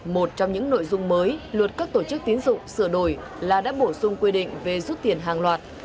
một trong những nội dung mới luật các tổ chức tiến dụng sửa đổi là đã bổ sung quy định về rút tiền hàng loạt